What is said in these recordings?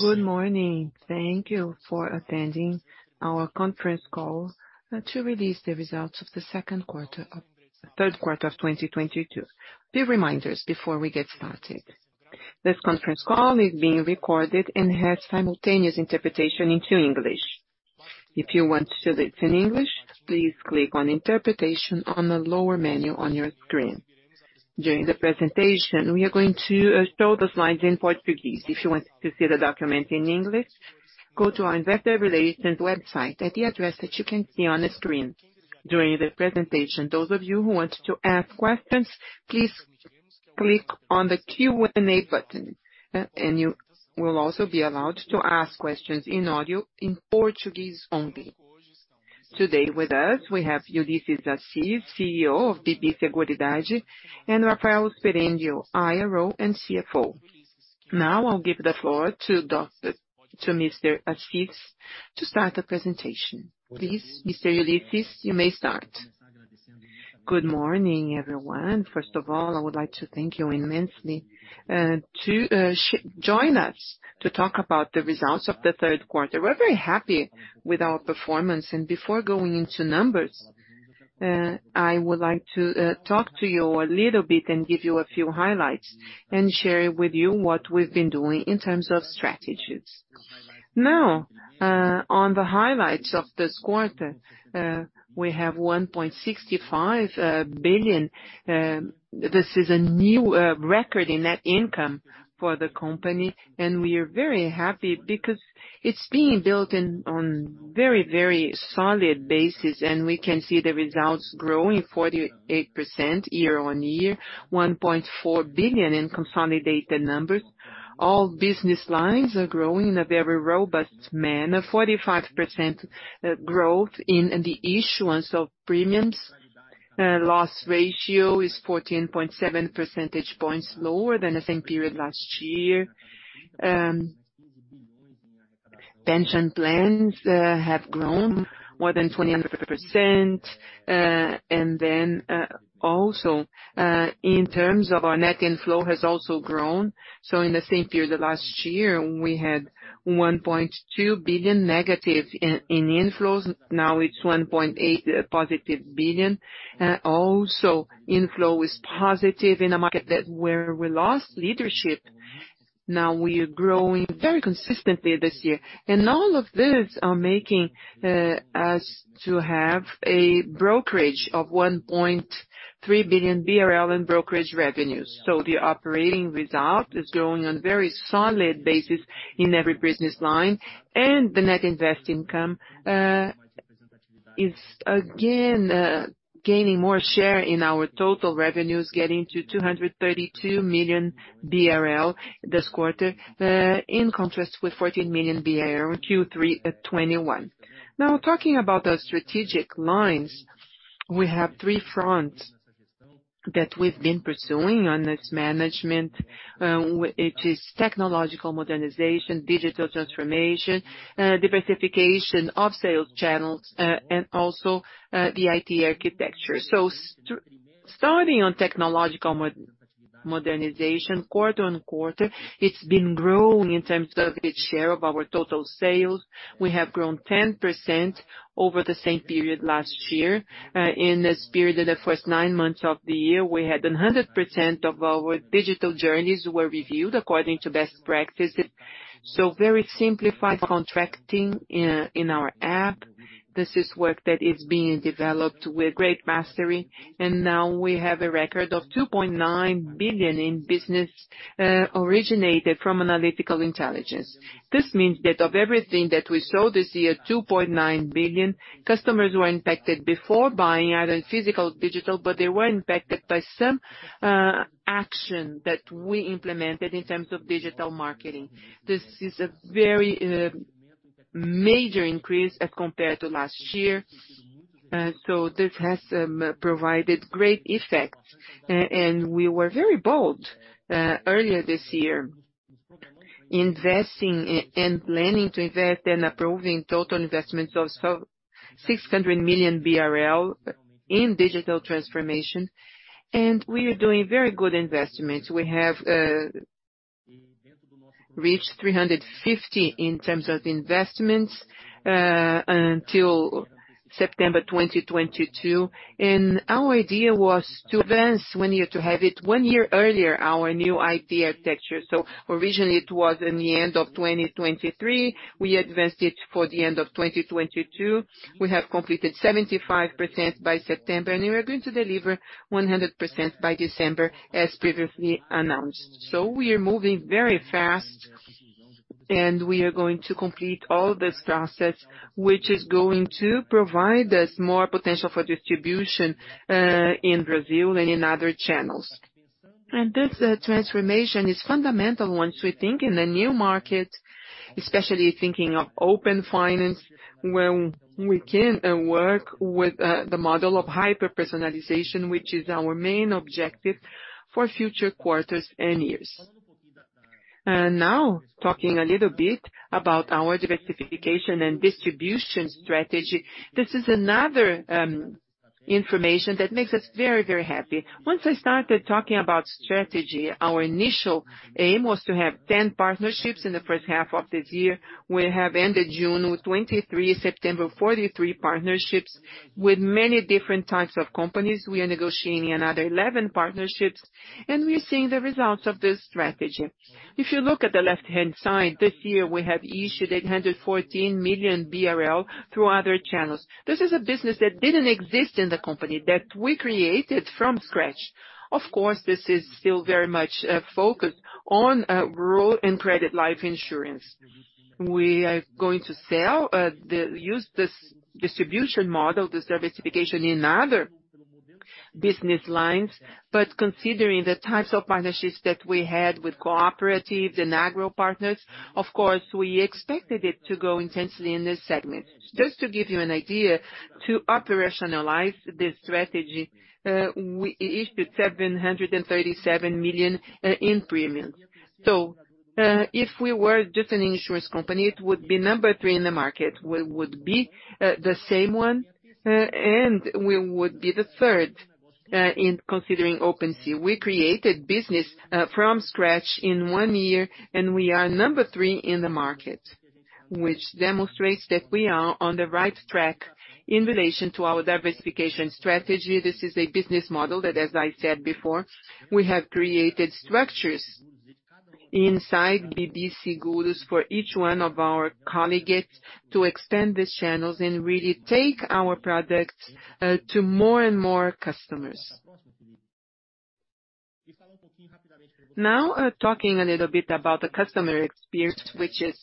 Good morning. Thank you for attending our conference call to release the results of the Q3 of 2022. Few reminders before we get started. This conference call is being recorded and has simultaneous interpretation into English. If you want to listen in English, please click on Interpretation on the lower menu on your screen. During the presentation, we are going to show the slides in Portuguese. If you want to see the document in English, go to our investor relations website at the address that you can see on the screen during the presentation. Those of you who want to ask questions, please click on the Q&A button, and you will also be allowed to ask questions in audio in Portuguese only. Today with us, we have Ullisses Assis, CEO of BB Seguridade, and Rafael Sperendio, IRO and CFO. Now I'll give the floor to Mr. Ullisses Assis to start the presentation. Please, Mr. Ullisses Assis, you may start. Good morning, everyone. First of all, I would like to thank you immensely to join us to talk about the results of the Q3. We're very happy with our performance. Before going into numbers, I would like to talk to you a little bit and give you a few highlights and share with you what we've been doing in terms of strategies. Now, on the highlights of this quarter, we have 1.65 billion. This is a new record in net income for the company, and we are very happy because it's being built on very, very solid basis, and we can see the results growing 48% year-on-year, 1.4 billion in consolidated numbers. All business lines are growing in a very robust manner. 45% growth in the issuance of premiums. Loss ratio is 14.7 percentage points lower than the same period last year. Pension plans have grown more than 20%. And then, also, in terms of our net inflow has also grown. In the same period of last year, we had 1.2 billion negative in inflows. Now it's 1.8 billion positive. Also inflow is positive in a market that where we lost leadership. Now we are growing very consistently this year. All of these are making us to have a brokerage of 1.3 billion BRL in brokerage revenues. The operating result is growing on very solid basis in every business line. The net investment income is again gaining more share in our total revenues, getting to 232 million BRL this quarter, in contrast with 14 million BRL Q3 2021. Now, talking about the strategic lines, we have three fronts that we've been pursuing on this management, which is technological modernization, digital transformation, diversification of sales channels, and also the IT architecture. Starting on technological modernization, quarter-over-quarter, it's been growing in terms of its share of our total sales. We have grown 10% over the same period last year. In this period of the first nine months of the year, we had 100% of our digital journeys were reviewed according to best practices. Very simplified contracting in our app. This is work that is being developed with great mastery. Now we have a record of 2.9 billion in business originated from analytical intelligence. This means that of everything that we sold this year, 2.9 billion customers were impacted before buying, either physical or digital, but they were impacted by some action that we implemented in terms of digital marketing. This is a very major increase as compared to last year. This has provided great effect. We were very bold earlier this year, investing and planning to invest and approving total investments of 600 million BRL in digital transformation. We are doing very good investments. We have reached 350 in terms of investments until September 2022. Our idea was to advance one year, to have it one year earlier, our new IT architecture. Originally it was in the end of 2023. We advanced it for the end of 2022. We have completed 75% by September, and we are going to deliver 100% by December, as previously announced. We are moving very fast, and we are going to complete all this process, which is going to provide us more potential for distribution in Brazil and in other channels. This transformation is fundamental once we think in the new market, especially thinking of open finance, when we can work with the model of hyper-personalization, which is our main objective for future quarters and years. Now talking a little bit about our diversification and distribution strategy. This is another information that makes us very, very happy. Once I started talking about strategy, our initial aim was to have 10 partnerships in the first half of this year. We have ended June with 23, September 43 partnerships with many different types of companies. We are negotiating another 11 partnerships, and we are seeing the results of this strategy. If you look at the left-hand side, this year we have issued 814 million BRL through other channels. This is a business that didn't exist in the company, that we created from scratch. Of course, this is still very much focused on rural and credit life insurance. We are going to use this distribution model, this diversification in other business lines. Considering the types of partnerships that we had with cooperatives and agro partners, of course, we expected it to go intensely in this segment. Just to give you an idea, to operationalize this strategy, we issued 737 million in premiums. If we were just an insurance company, it would be number three in the market. We would be number one, and we would be the third in the open market. We created business from scratch in one year, and we are number three in the market, which demonstrates that we are on the right track in relation to our diversification strategy. This is a business model that, as I said before, we have created structures inside BB Seguros for each one of our colleagues to extend these channels and really take our products to more and more customers. Now, talking a little bit about the customer experience, which is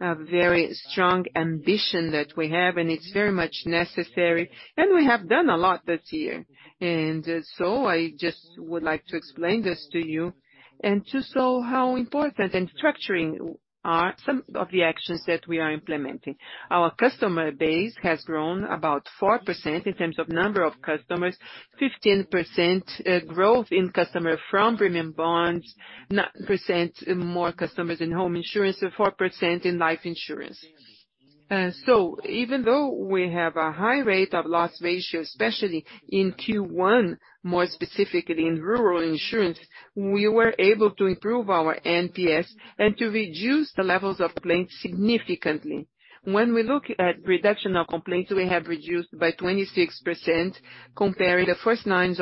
a very strong ambition that we have, and it's very much necessary, and we have done a lot this year. I just would like to explain this to you and to show how important and structuring are some of the actions that we are implementing. Our customer base has grown about 4% in terms of number of customers, 15% growth in customers from premium bonds, 9% more customers in home insurance, and 4% in life insurance. Even though we have a high rate of loss ratio, especially in Q1, more specifically in rural insurance, we were able to improve our NPS and to reduce the levels of claims significantly. When we look at reduction of complaints, we have reduced by 26% comparing the first nine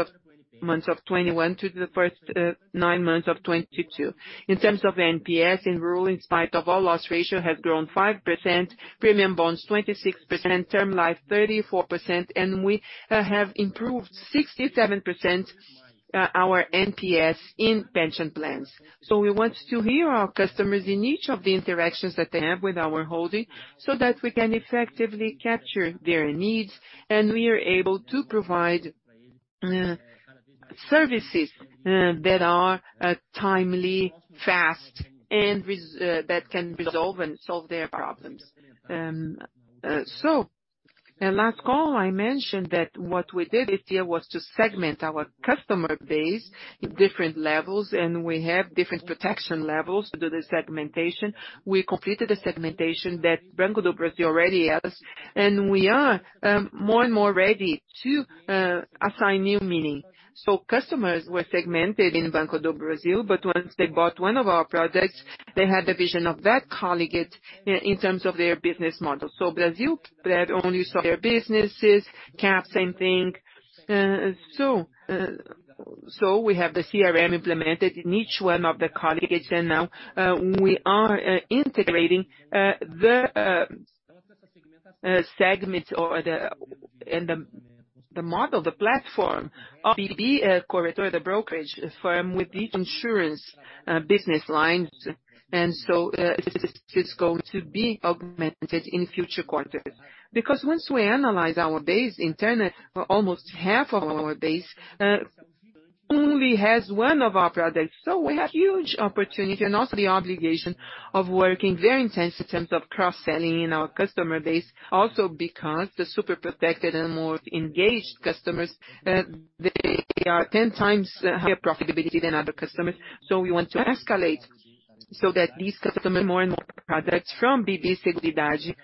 months of 2021 to the first nine months of 2022. In terms of NPS, in rural, in spite of our loss ratio, has grown 5%, premium bonds 26%, term life 34%, and we have improved 67% our NPS in pension plans. We want to hear our customers in each of the interactions that they have with our holding, so that we can effectively capture their needs, and we are able to provide services that are timely, fast and that can resolve and solve their problems. In last call, I mentioned that what we did this year was to segment our customer base in different levels, and we have different protection levels to do the segmentation. We completed the segmentation that Banco do Brasil already has, and we are more and more ready to assign new meaning. Customers were segmented in Banco do Brasil, but once they bought one of our products, they had the vision of that coligada in terms of their business model. Brasilprev had only saw their businesses, Cap, same thing. We have the CRM implemented in each one of the coligadas, and now we are integrating the segments and the model, the platform of BB Corretora, the brokerage firm with the insurance business lines. This is going to be augmented in future quarters. Because once we analyze our base internally, almost half of our base only has one of our products. We have huge opportunity and also the obligation of working very intense in terms of cross-selling in our customer base. Also because the super protected and more engaged customers, they are 10 times higher profitability than other customers. We want to escalate so that these customers more and more products from BB Seguridade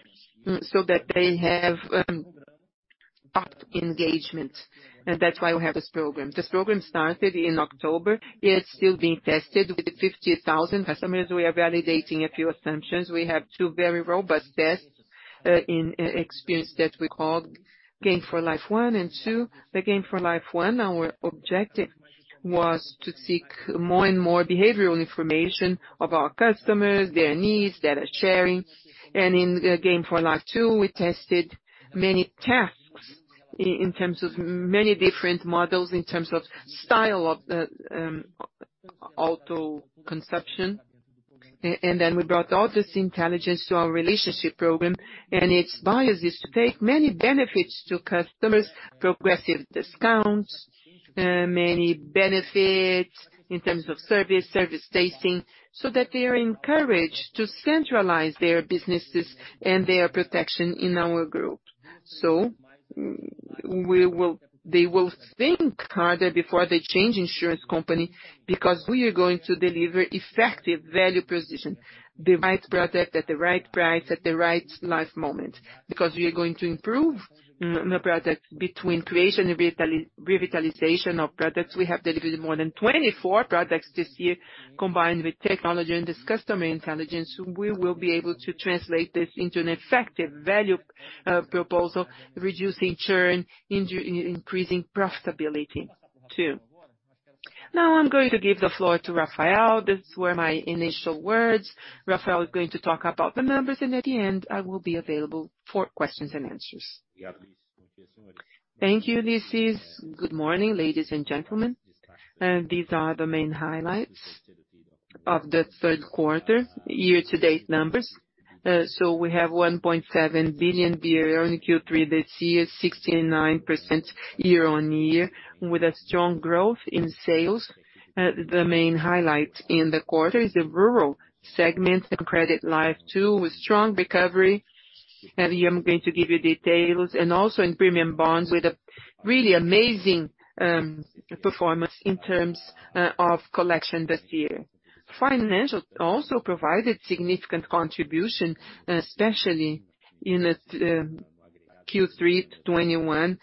so that they have up engagement, and that's why we have this program. This program started in October. It's still being tested with 50,000 customers. We are validating a few assumptions. We have two very robust tests in experience that we called Game for Life one and two. The Game for Life one, our objective was to seek more and more behavioral information of our customers, their needs, data sharing. In Game for Life two, we tested many tasks in terms of many different models, in terms of style of auto consumption. We brought all this intelligence to our relationship program, and its basis is to take many benefits to customers, progressive discounts, many benefits in terms of service testing, so that they are encouraged to centralize their businesses and their protection in our group. They will think harder before they change insurance company because we are going to deliver effective value proposition, the right product at the right price at the right life moment. We are going to improve product between creation and revitalization of products. We have delivered more than 24 products this year. Combined with technology and this customer intelligence, we will be able to translate this into an effective value proposal, reducing churn, increasing profitability too. Now I'm going to give the floor to Rafael. These were my initial words. Rafael is going to talk about the numbers, and at the end, I will be available for questions and answers. Thank you, Ullisses. Good morning, ladies and gentlemen. These are the main highlights of the Q3 year-to-date numbers. We have 1.7 billion in Q3 this year, 69% year-on-year, with a strong growth in sales. The main highlight in the quarter is the rural segment and credit life too, with strong recovery. Here I'm going to give you details. Also in premium bonds with a really amazing performance in terms of collection this year. Financial also provided significant contribution, especially in Q3 2021.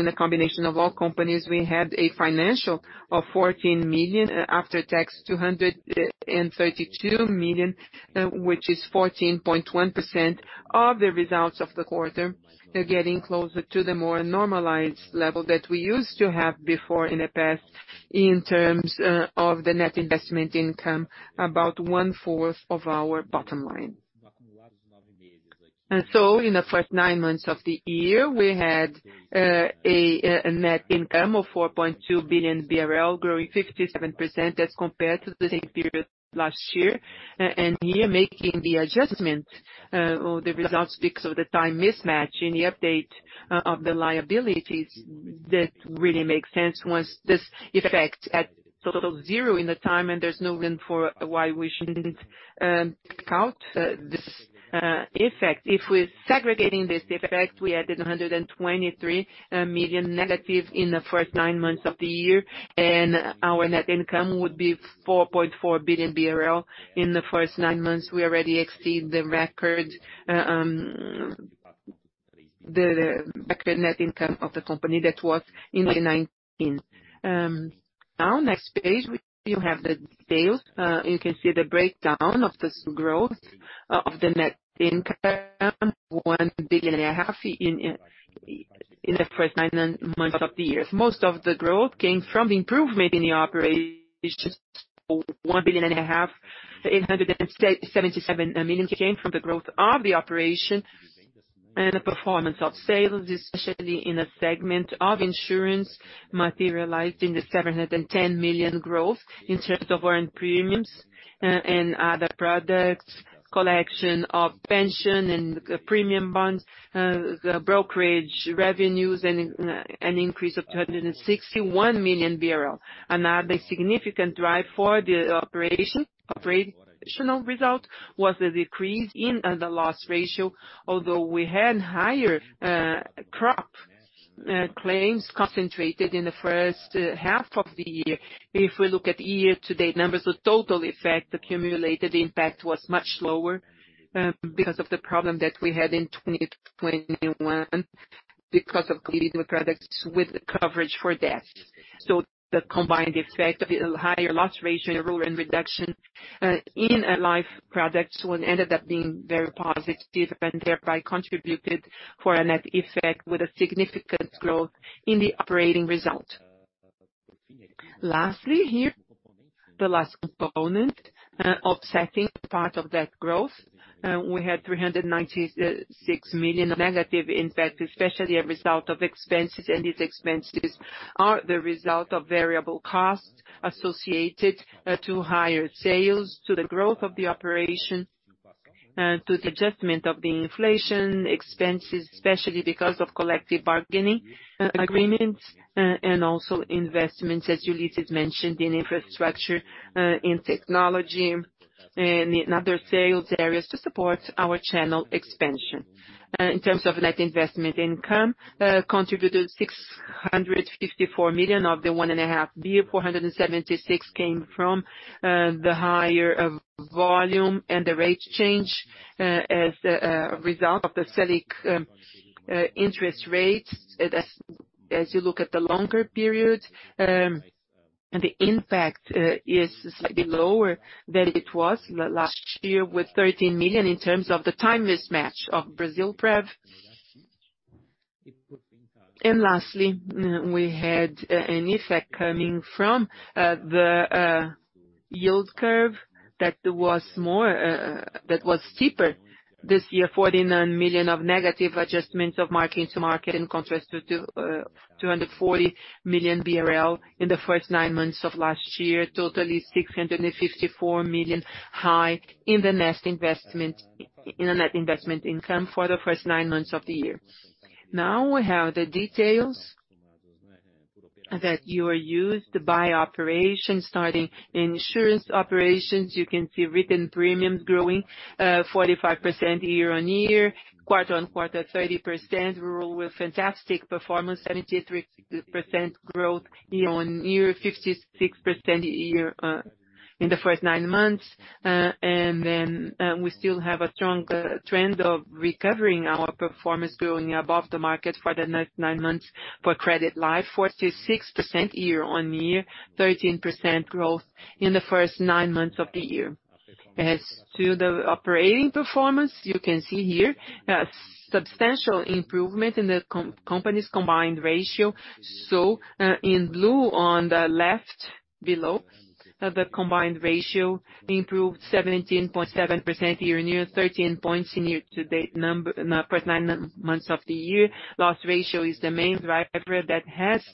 In a combination of all companies, we had a financial of 14 million after tax, 232 million, which is 14.1% of the results of the quarter. They're getting closer to the more normalized level that we used to have before in the past in terms of the net investment income, about one fourth of our bottom line. In the first nine months of the year, we had a net income of 4.2 billion BRL, growing 57% as compared to the same period last year. Here making the adjustment or the results because of the time mismatch in the update of the liabilities, that really makes sense once this effect at total zero in the time and there's no room for why we shouldn't count this effect. If we're segregating this effect, we added 123 million negative in the first nine months of the year, and our net income would be 4.4 billion BRL. In the first nine months, we already exceed the record net income of the company that was in 2019. Now next page, you have the details. You can see the breakdown of this growth of the net income, 1.5 billion in the first nine months of the year. Most of the growth came from improvement in the operations, 1.5 billion. 877 million came from the growth of the operation and the performance of sales, especially in the segment of insurance, materialized in the 710 million growth in terms of earned premiums and other products, collection of pension and premium bonds, the brokerage revenues and an increase of 261 million. Another significant drive for the operation, operational result was the decrease in the loss ratio, although we had higher crop claims concentrated in the first half of the year. If we look at year-to-date numbers, the total effect, the accumulated impact was much lower because of the problem that we had in 2021 because of La Niña. The combined effect of the higher loss ratio in rural and reduction in life products ended up being very positive and thereby contributed for a net effect with a significant growth in the operating result. Lastly, here, the last component, offsetting part of that growth, we had 396 million negative impact, especially as a result of expenses, and these expenses are the result of variable costs associated to higher sales, to the growth of the operation, to the adjustment of the inflation expenses, especially because of collective bargaining agreements, and also investments, as Ullisses mentioned, in infrastructure, in technology and in other sales areas to support our channel expansion. In terms of net investment income, contributed 654 million of the 1.5 billion. 476 million came from the higher volume and the rate change, as a result of the Selic interest rates. As you look at the longer period, the impact is slightly lower than it was last year with 13 million in terms of the time mismatch of Brasilprev. Lastly, we had an effect coming from the yield curve that was steeper this year, 49 million of negative adjustments of mark-to-market in contrast to 240 million BRL in the first nine months of last year. Total 654 million higher in the net investment income for the first nine months of the year. Now we have the details that you are used to by operation. Starting insurance operations, you can see written premiums growing 45% year-on-year, quarter-on-quarter, 30% rural with fantastic performance, 73% growth year-on-year, 56% year-on-year in the first nine months. We still have a strong trend of recovering our performance growing above the market for the next nine months. For credit life, 46% year-on-year, 13% growth in the first nine months of the year. As to the operating performance, you can see here a substantial improvement in the company's combined ratio. In blue on the left below, the combined ratio improved 17.7% year-on-year, 13 points in year-to-date number, first nine months of the year. Loss ratio is the main driver that has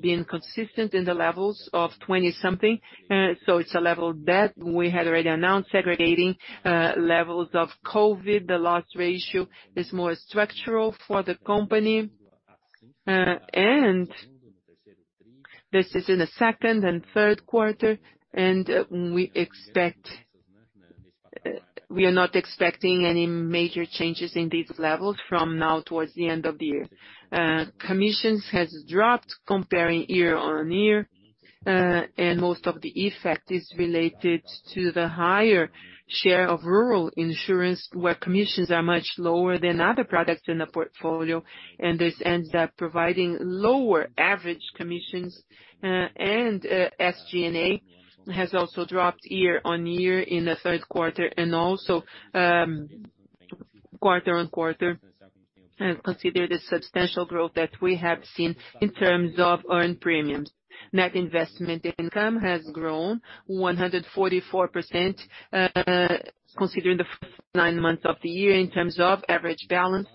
been consistent in the levels of 20-something. It's a level that we had already announced, segregating levels of COVID. The last ratio is more structural for the company. This is in the second and Q3, and we are not expecting any major changes in these levels from now towards the end of the year. Commissions has dropped comparing year-on-year, and most of the effect is related to the higher share of rural insurance, where commissions are much lower than other products in the portfolio, and this ends up providing lower average commissions. SG&A has also dropped year-on-year in the Q3 and also quarter-on-quarter, considered the substantial growth that we have seen in terms of earned premiums. Net investment income has grown 144%, considering the first nine months of the year in terms of average balance.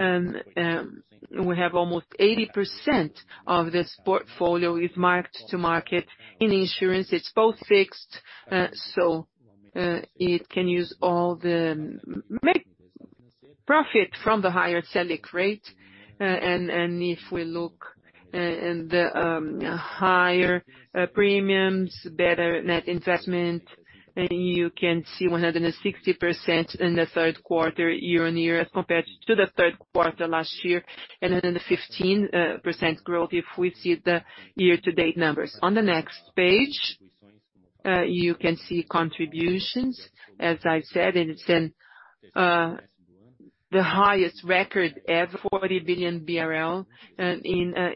We have almost 80% of this portfolio mark-to-market. In insurance, it's both fixed, so it can make profit from the higher Selic rate. If we look at the higher premiums, better net investment, you can see 160% in the Q3 year-over-year as compared to the Q3 last year, and then the 15% growth if we see the year-to-date numbers. On the next page, you can see contributions, as I've said, and it's the highest record ever, 40 billion BRL,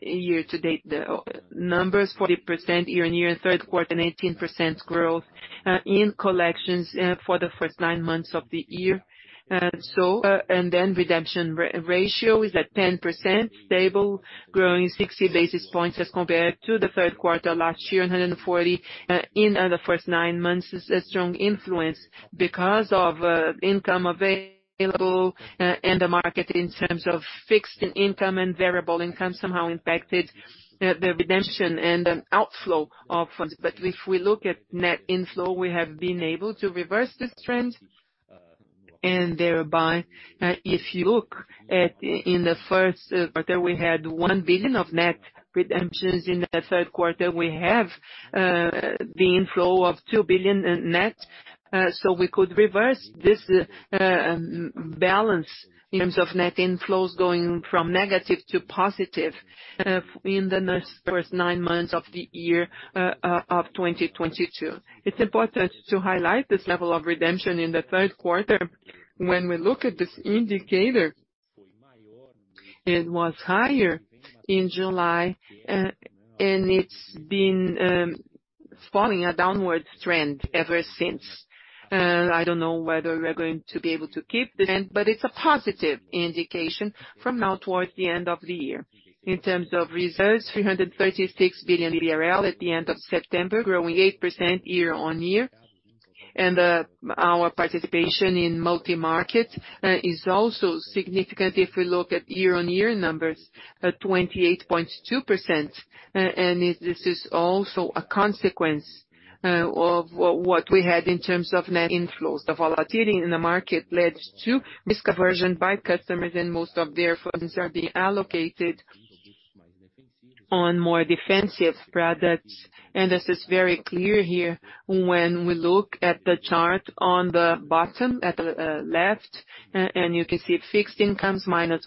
year to date. The numbers 40% year-on-year in Q3, and 18% growth in collections for the first nine months of the year. Redemption ratio is at 10%, stable, growing 60 basis points as compared to the Q3 last year, 140 in the first nine months is a strong influence because of income available in the market in terms of fixed income and variable income somehow impacted the redemption and an outflow of funds. If we look at net inflow, we have been able to reverse this trend, and thereby, if you look at in the Q1, we had 1 billion of net redemptions. In the Q3, we have the inflow of 2 billion in net. We could reverse this balance in terms of net inflows going from negative to positive in the first nine months of the year of 2022. It's important to highlight this level of redemption in the Q3. When we look at this indicator, it was higher in July and it's been falling on a downward trend ever since. I don't know whether we are going to be able to keep the trend, but it's a positive indication from now towards the end of the year. In terms of reserves, 336 billion BRL at the end of September, growing 8% year-on-year. Our participation in multi-market is also significant if we look at year-on-year numbers at 28.2%. This is also a consequence of what we had in terms of net inflows. The volatility in the market led to risk aversion by customers, and most of their funds are being allocated on more defensive products. This is very clear here when we look at the chart on the bottom at the left, and you can see fixed incomes minus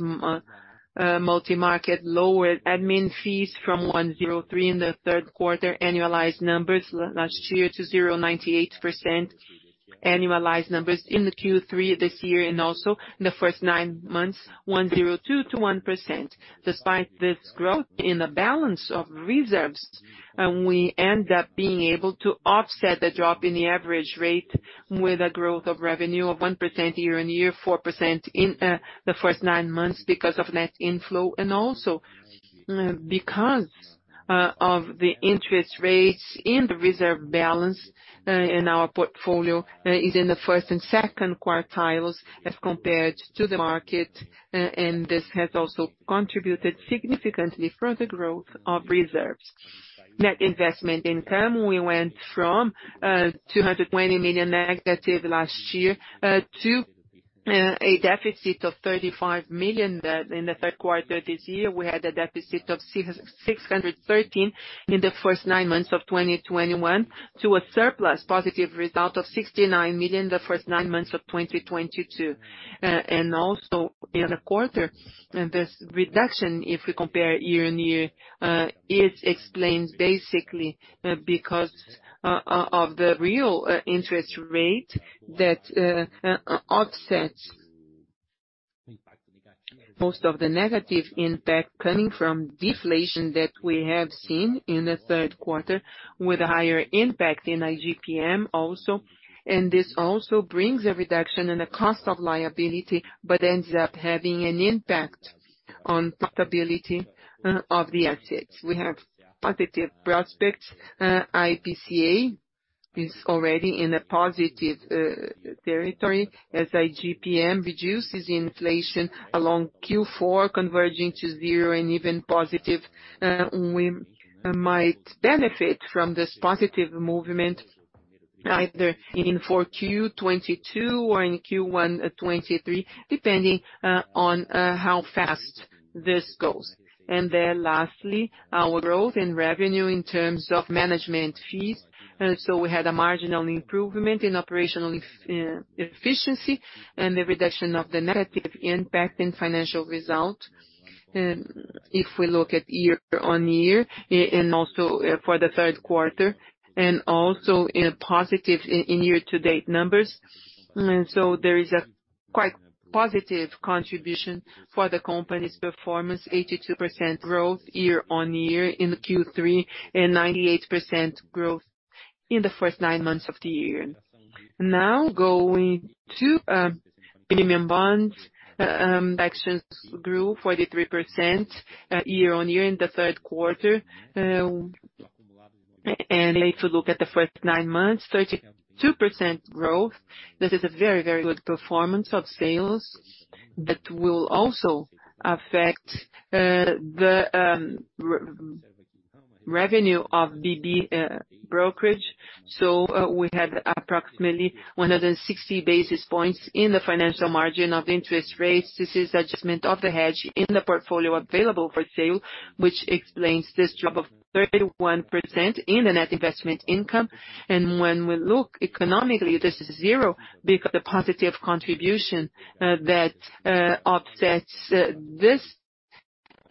multi-market lowered admin fees from 1.03% in the Q3, annualized numbers last year to 0.98% annualized numbers in the Q3 this year and also in the first nine months, 1.02% to 1%. Despite this growth in the balance of reserves, we end up being able to offset the drop in the average rate with a growth of revenue of 1% year-over-year, 4% in the first nine months because of net inflow and also because of the interest rates in the reserve balance in our portfolio is in the first and second quartiles as compared to the market. This has also contributed significantly for the growth of reserves. Net investment income, we went from 220 million negative last year to a deficit of 35 million in the Q3 this year. We had a deficit of 613 in the first nine months of 2021 to a surplus positive result of 69 million in the first nine months of 2022. Also in the quarter, this reduction, if we compare year-on-year, it explains basically because of the real interest rate that offsets most of the negative impact coming from deflation that we have seen in the Q3 with a higher impact in IGPM also. This also brings a reduction in the cost of liability, but ends up having an impact on profitability of the assets. We have positive prospects. IPCA is already in a positive territory as IGPM reduces inflation along Q4 converging to zero and even positive. We might benefit from this positive movement either in Q2 2022 or in Q1 2023, depending on how fast this goes. Lastly, our growth in revenue in terms of management fees. So we had a marginal improvement in operational efficiency and the reduction of the negative impact in financial result. If we look at year-on-year and also for the Q3 and also in positive year-to-date numbers. There is a quite positive contribution for the company's performance, 82% growth year-on-year in Q3 and 98% growth in the first nine months of the year. Now going to premium bonds. Actions grew 43% year-on-year in the Q3, and if you look at the first nine months, 32% growth. This is a very, very good performance of sales that will also affect the revenue of BB brokerage. We had approximately 160 basis points in the financial margin of interest rates. This is adjustment of the hedge in the portfolio available for sale, which explains this drop of 31% in the net investment income. When we look economically, this is zero because the positive contribution that offsets this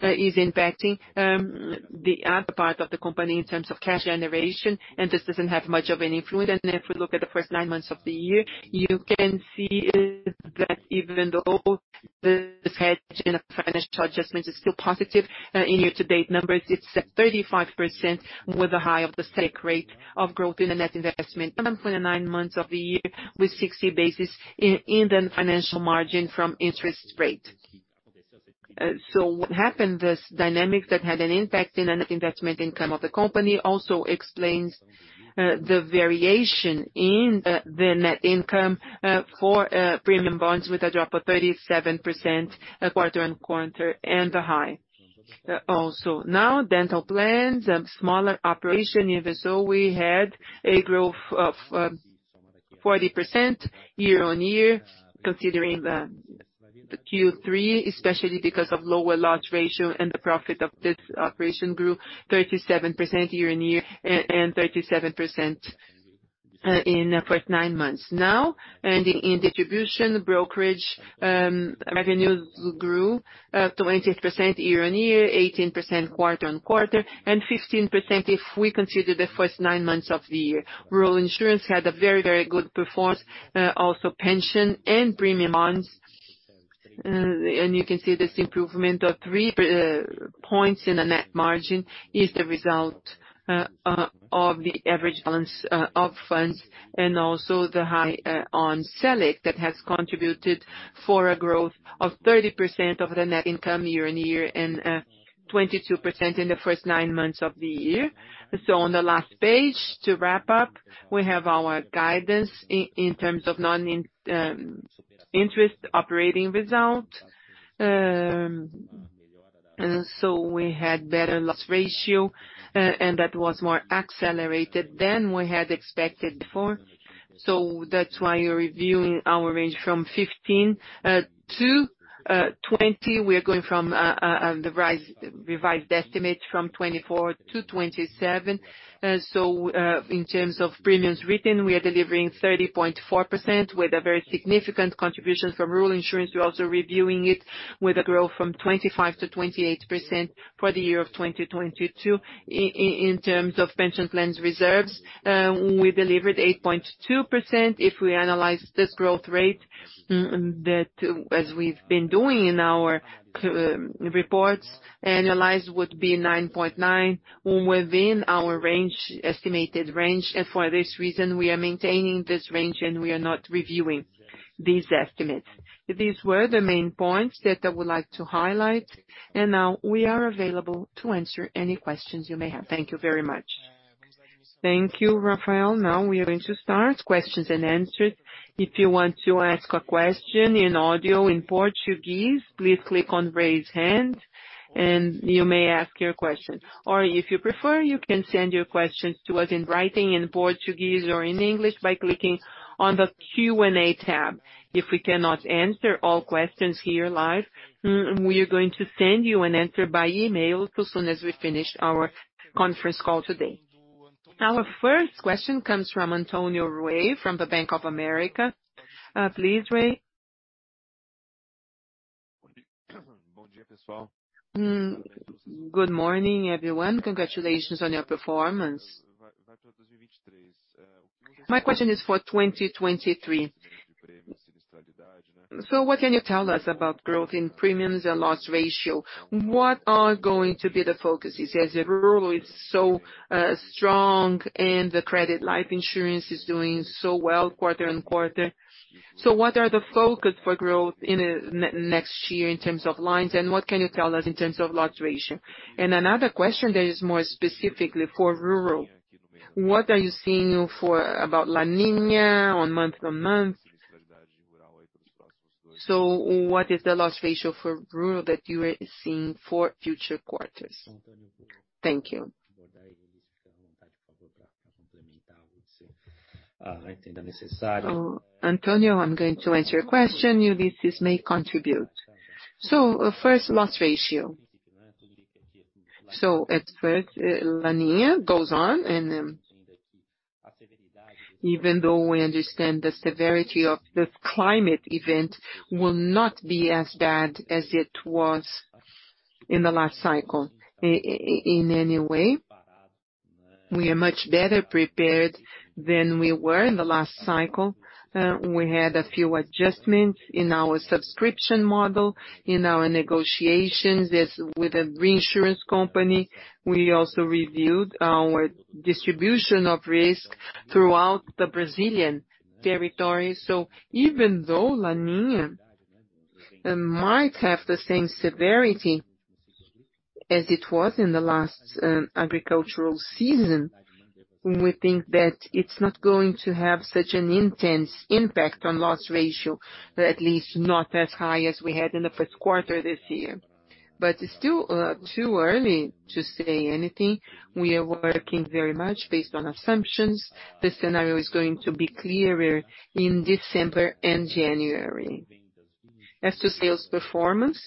is impacting the other part of the company in terms of cash generation, and this doesn't have much of an influence. If we look at the first nine months of the year, you can see that even though this hedge in a financial adjustment is still positive, in year to date numbers, it's at 35% with a high of the Selic rate of growth in the net investment, for the nine months of the year with 60 basis points in the financial margin from interest rate. What happened, this dynamic that had an impact in the net investment income of the company also explains, the variation in the net income, for premium bonds with a drop of 37% quarter-on-quarter and the high. Also now dental plans, smaller operation. Even so, we had a growth of 40% year-on-year considering the Q3, especially because of lower loss ratio and the profit of this operation grew 37% year-on-year and 37% in the first nine months. Now, in distribution brokerage, revenues grew 20% year-on-year, 18% quarter-on-quarter, and 15% if we consider the first nine months of the year. Rural insurance had a very, very good performance, also pension and premium bonds. You can see this improvement of three points in the net margin is the result of the average balance of funds and also the high on Selic that has contributed for a growth of 30% of the net income year-over-year and 22% in the first nine months of the year. On the last page to wrap up, we have our guidance in terms of non-interest operating result. We had better loss ratio and that was more accelerated than we had expected before. That's why we're revising our range from 15 to 20. We are revising the estimate from 24 to 27. In terms of premiums written, we are delivering 30.4% with a very significant contribution from rural insurance. We're also reviewing it with a growth from 25%-28% for the year of 2022. In terms of pension plans reserves, we delivered 8.2%. If we analyze this growth rate, that as we've been doing in our reports, would be 9.9% within our estimated range. For this reason, we are maintaining this range and we are not reviewing these estimates. These were the main points that I would like to highlight, and now we are available to answer any questions you may have. Thank you very much. Thank you, Rafael. Now we are going to start questions and answers. If you want to ask a question in audio in Portuguese, please click on Raise Hand, and you may ask your question. Or if you prefer, you can send your questions to us in writing in Portuguese or in English by clicking on the Q&A tab. If we cannot answer all questions here live, we are going to send you an answer by email as soon as we finish our conference call today. Our first question comes from Antonio Ruette from Bank of America. Please, Ruette. Good morning, everyone. Congratulations on your performance. My question is for 2023. What can you tell us about growth in premiums and loss ratio? What are going to be the focuses? As rural is so strong and the credit life insurance is doing so well quarter after quarter. What are the focus for growth in the next year in terms of lines, and what can you tell us in terms of loss ratio? Another question that is more specifically for rural, what are you seeing about La Niña month-on-month? What is the loss ratio for rural that you are seeing for future quarters? Thank you. Antonio, I'm going to answer your question. Ullisses may contribute. First, loss ratio. At first, La Niña goes on and even though we understand the severity of this climate event will not be as bad as it was in the last cycle. In any way, we are much better prepared than we were in the last cycle. We had a few adjustments in our subscription model, in our negotiations with the reinsurance company. We also reviewed our distribution of risk throughout the Brazilian territory. Even though La Niña might have the same severity as it was in the last agricultural season, we think that it's not going to have such an intense impact on loss ratio, at least not as high as we had in the Q1 this year. It's still too early to say anything. We are working very much based on assumptions. The scenario is going to be clearer in December and January. As to sales performance,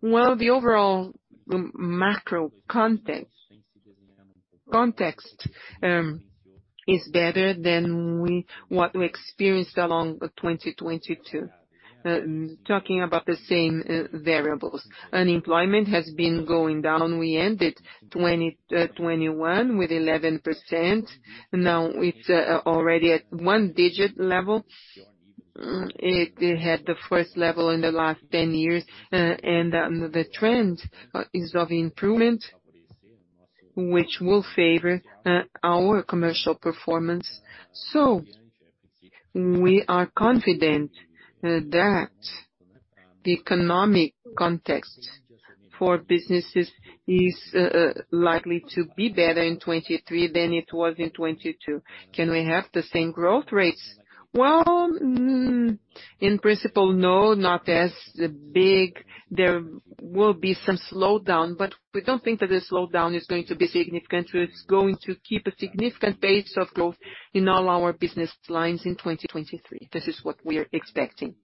the overall macro context is better than what we experienced in 2022. Talking about the same variables. Unemployment has been going down. We ended 2021 with 11%. Now it's already at one digit level. It hit the first level in the last 10 years. The trend is of improvement, which will favor our commercial performance. We are confident that the economic context for businesses is likely to be better in 2023 than it was in 2022. Can we have the same growth rates? Well, in principle, no, not as big. There will be some slowdown, but we don't think that the slowdown is going to be significant. It's going to keep a significant pace of growth in all our business lines in 2023. This is what we are expecting.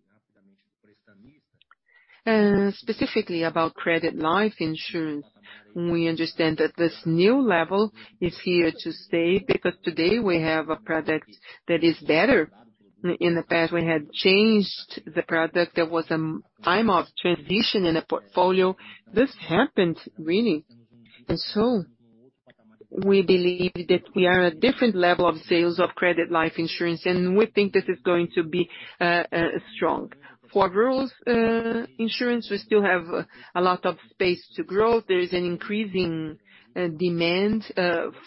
Specifically about credit life insurance, we understand that this new level is here to stay because today we have a product that is better. In the past, we had changed the product. There was a time of transition in the portfolio. This happened really. We believe that we are at a different level of sales of credit life insurance, and we think this is going to be strong. For rural insurance, we still have a lot of space to grow. There is an increasing demand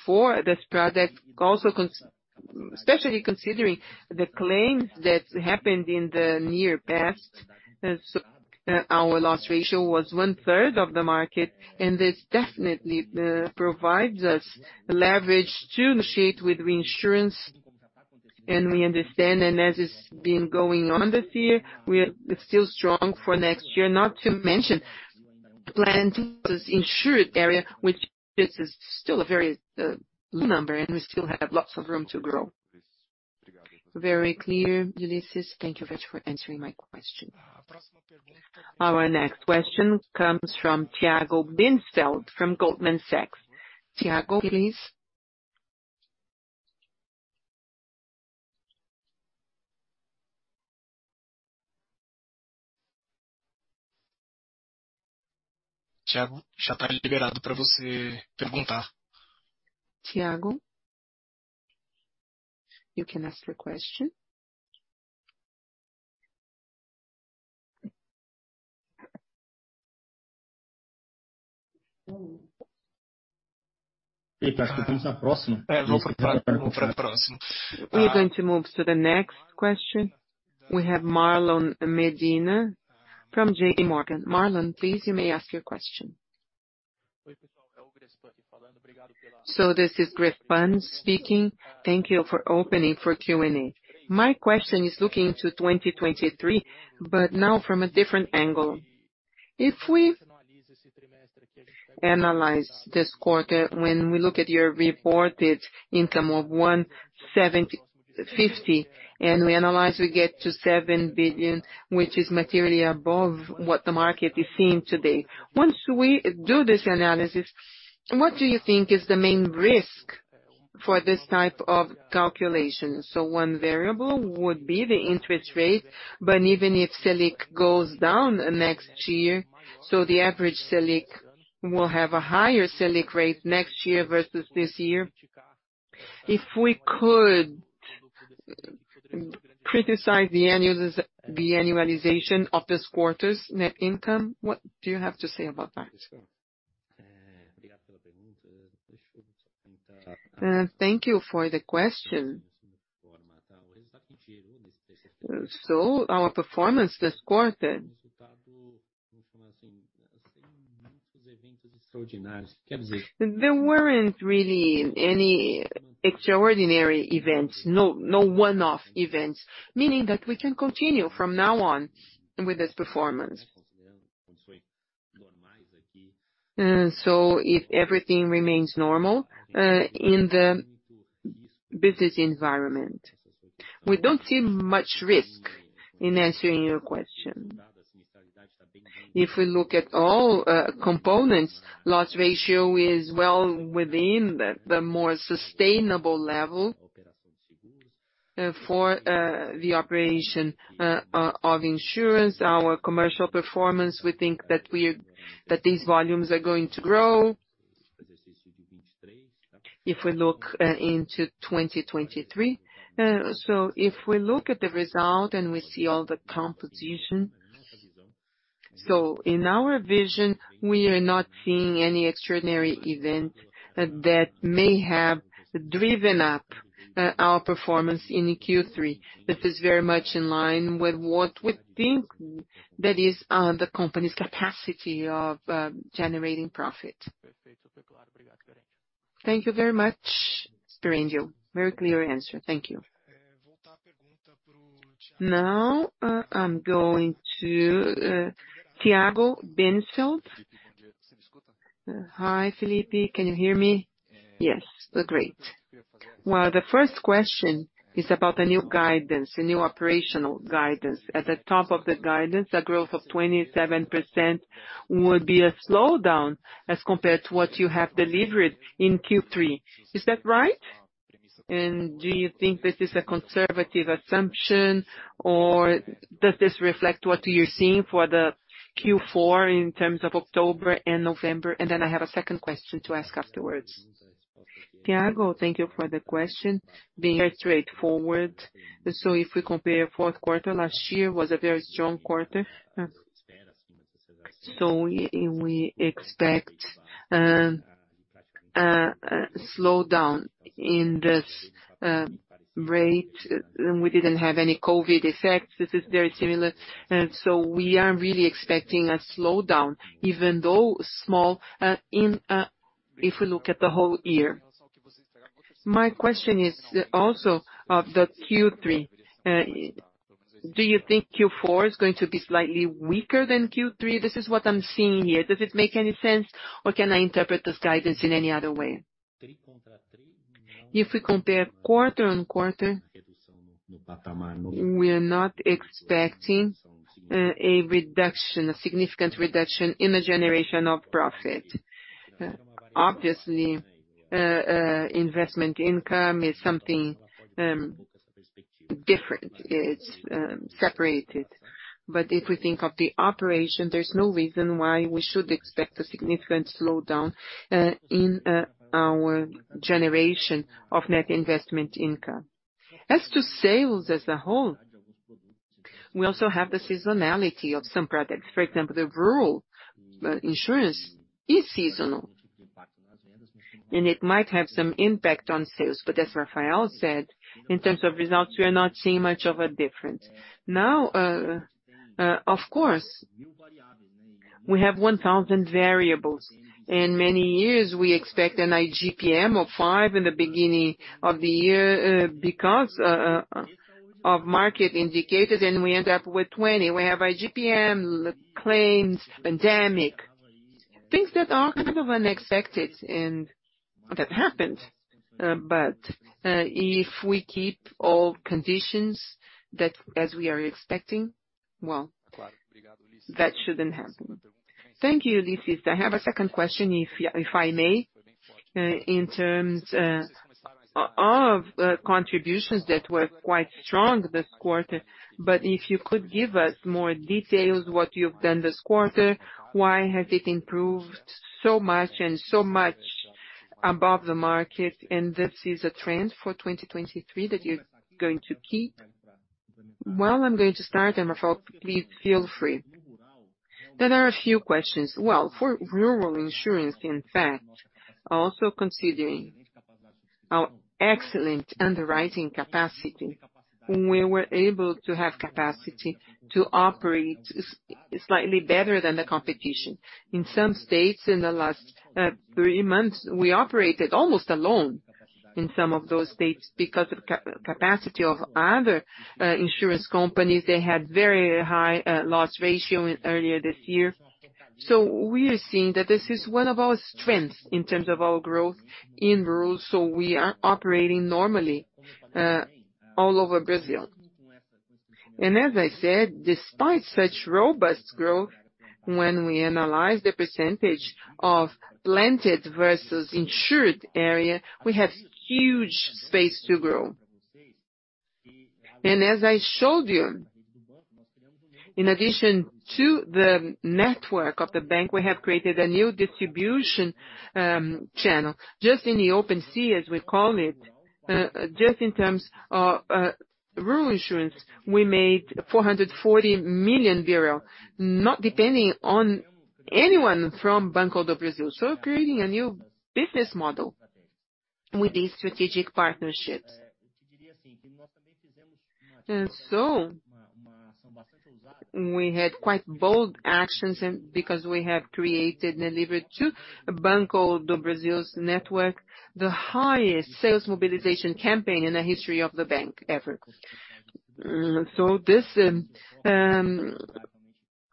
for this product, especially considering the claims that happened in the near past. Our loss ratio was one-third of the market, and this definitely provides us leverage to negotiate with reinsurance. We understand, and as it's been going on this year, we are still strong for next year. Not to mention planted insured area, which this is still a very low number, and we still have lots of room to grow. Very clear, Ullisses. Thank you very much for answering my question. Our next question comes from Tiago Binsfeld from Goldman Sachs. Tiago, please. Tiago, you can ask your question. We're going to move to the next question. We have Marlon Medina from JPMorgan. Marlon, please, you may ask your question. This is Grespan speaking. Thank you for opening for Q&A. My question is looking to 2023, but now from a different angle. If we analyze this quarter, when we look at your reported income of 175, and we analyze, we get to 7 billion, which is materially above what the market is seeing today. Once we do this analysis, what do you think is the main risk for this type of calculation? One variable would be the interest rate, but even if Selic goes down next year, the average Selic will have a higher Selic rate next year versus this year. If we could criticize the annualization of this quarter's net income, what do you have to say about that? Thank you for the question. Our performance this quarter, there weren't really any extraordinary events, no one-off events, meaning that we can continue from now on with this performance. If everything remains normal in the business environment, we don't see much risk in answering your question. If we look at all components, loss ratio is well within the more sustainable level for the operation of insurance. Our commercial performance, we think that these volumes are going to grow if we look into 2023. If we look at the result and we see all the composition, so in our vision, we are not seeing any extraordinary event that may have driven up our performance in Q3. This is very much in line with what we think that is the company's capacity of generating profit. Thank you very much, Rafael Sperendio. Very clear answer. Thank you. Now, I'm going to Tiago Binsfeld. Hi, Felipe Peres, can you hear me? Yes. Great. Well, the first question is about the new guidance, the new operational guidance. At the top of the guidance, a growth of 27% would be a slowdown as compared to what you have delivered in Q3. Is that right? And do you think this is a conservative assumption, or does this reflect what you're seeing for the Q4 in terms of October and November? Then I have a second question to ask afterwards. Tiago, thank you for the question. Very straightforward. If we compare Q4, last year was a very strong quarter. We expect a slowdown in this rate. We didn't have any COVID effects. This is very similar. We are really expecting a slowdown, even though small, in if we look at the whole year. My question is also of the Q3. Do you think Q4 is going to be slightly weaker than Q3? This is what I'm seeing here. Does it make any sense, or can I interpret this guidance in any other way? If we compare quarter on quarter, we're not expecting a reduction, a significant reduction in the generation of profit. Obviously, investment income is something different. It's separated. If we think of the operation, there's no reason why we should expect a significant slowdown in our generation of net investment income. As to sales as a whole, we also have the seasonality of some products. For example, the rural insurance is seasonal, and it might have some impact on sales. As Rafael said, in terms of results, we are not seeing much of a difference. Now, of course, we have 1,000 variables. In many years, we expect an IGPM of five in the beginning of the year because of market indicators, and we end up with 20. We have IGPM, claims, pandemic, things that are kind of unexpected and that happened. If we keep all conditions as we are expecting, well, that shouldn't happen. Thank you, Ullisses. I have a second question, if I may. In terms of contributions that were quite strong this quarter, but if you could give us more details what you've done this quarter, why has it improved so much and so much above the market, and this is a trend for 2023 that you're going to keep. Well, I'm going to start, and Rafael, please feel free. There are a few questions. Well, for rural insurance, in fact, also considering our excellent underwriting capacity, we were able to have capacity to operate slightly better than the competition. In some states in the last three months, we operated almost alone in some of those states because of capacity of other insurance companies. They had very high loss ratio earlier this year. We are seeing that this is one of our strengths in terms of our growth in rural. We are operating normally all over Brazil. As I said, despite such robust growth, when we analyze the percentage of planted versus insured area, we have huge space to grow. As I showed you, in addition to the network of the bank, we have created a new distribution channel. Just in the open market, as we call it, just in terms of rural insurance, we made 440 million, not depending on anyone from Banco do Brasil. Creating a new business model with these strategic partnerships. We had quite bold actions and because we have created and delivered to Banco do Brasil's network, the highest sales mobilization campaign in the history of the bank ever. So this has an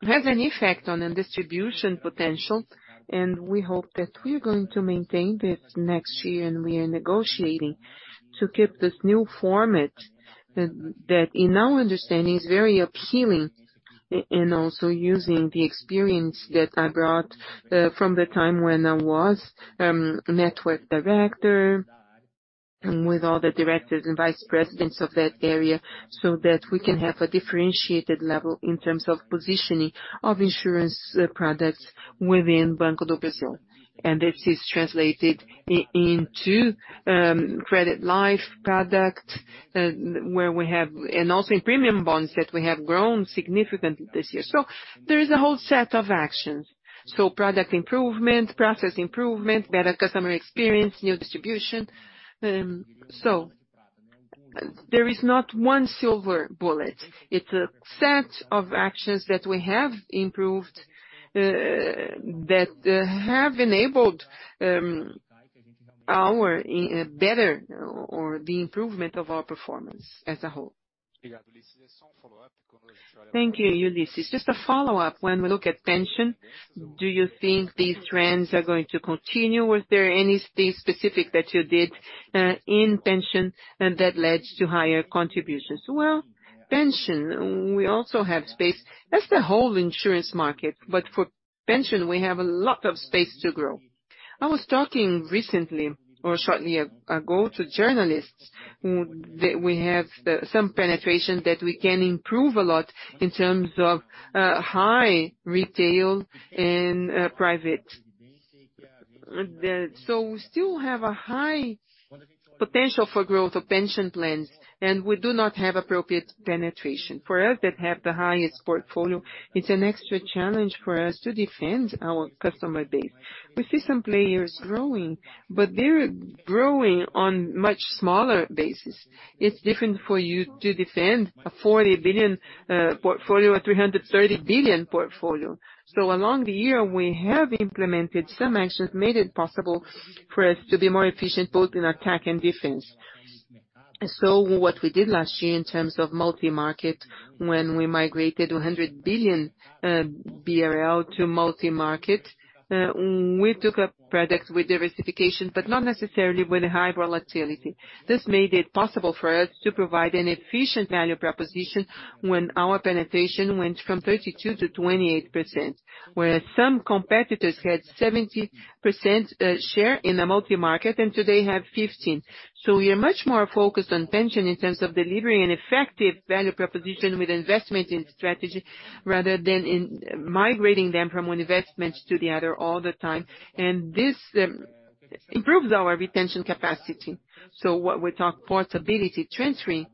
effect on the distribution potential, and we hope that we're going to maintain this next year, and we are negotiating to keep this new format that in our understanding is very appealing, and also using the experience that I brought from the time when I was network director with all the directors and vice presidents of that area, so that we can have a differentiated level in terms of positioning of insurance products within Banco do Brasil. This is translated into credit life product where we have. Also in premium bonds that we have grown significantly this year. There is a whole set of actions. Product improvement, process improvement, better customer experience, new distribution. There is not one silver bullet. It's a set of actions that we have improved that have enabled our better or the improvement of our performance as a whole. Thank you, Ullisses. Just a follow-up. When we look at pension, do you think these trends are going to continue? Was there any state specific that you did in pension that led to higher contributions? Well, pension, we also have space. That's the whole insurance market. For pension, we have a lot of space to grow. I was talking recently or shortly ago to journalists that we have some penetration that we can improve a lot in terms of high retail and private. We still have a high potential for growth of pension plans, and we do not have appropriate penetration. For us that have the highest portfolio, it's an extra challenge for us to defend our customer base. We see some players growing, but they're growing on much smaller basis. It's different for you to defend a 40 billion portfolio, a 330 billion portfolio. Along the year, we have implemented some actions, made it possible for us to be more efficient both in attack and defense. What we did last year in terms of multi-market, when we migrated a 100 billion BRL to multi-market, we took up products with diversification, but not necessarily with high volatility. This made it possible for us to provide an efficient value proposition when our penetration went from 32% to 28%, whereas some competitors had 70% share in the multi-market, and today have 15%. We are much more focused on pension in terms of delivering an effective value proposition with investment in strategy rather than in migrating them from one investment to the other all the time. This improves our retention capacity. When we talk about portability, transferring,